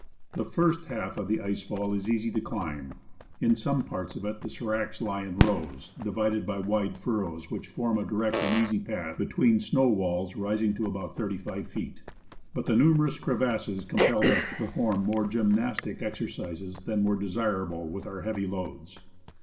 The first half of the ice fall is easy to climb. In some parts of it, the s^racs lie in rows, divided by wide furrows, which form a direct and easy path between snow walls rising to about SMALL LAKE, AMONG THE NEWTON SfiRACS. thirty five feet. But the numerous crevasses compelled us to per form more gymnastic exercises than were desirable with our heavy loads.